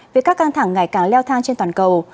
về các căng thẳng ngày càng leo thang trên toàn cầu